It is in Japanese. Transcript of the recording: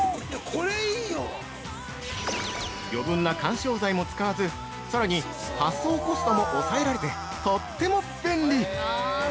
余分な緩衝材も使わずさらに、発送コストも抑えられてとっても便利！